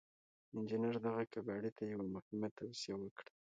انجنير دغه کباړي ته يوه مهمه توصيه وکړه.